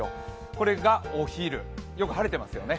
これがお昼、よく晴れてますよね。